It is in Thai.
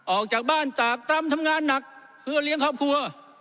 ออกจากบ้านจากตรำทำงานหนักเพื่อเลี้ยงครอบครัว